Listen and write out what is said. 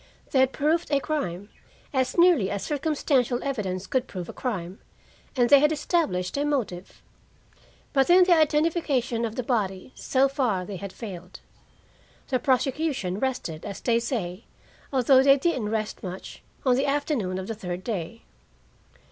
They had proved a crime, as nearly as circumstantial evidence could prove a crime, and they had established a motive. But in the identification of the body, so far they had failed. The prosecution "rested," as they say, although they didn't rest much, on the afternoon of the third day.